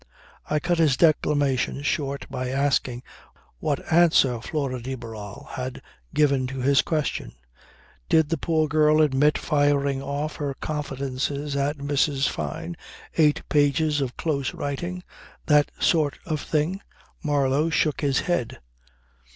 I cut his declamation short by asking what answer Flora de Barral had given to his question. "Did the poor girl admit firing off her confidences at Mrs. Fyne eight pages of close writing that sort of thing?" Marlow shook his head.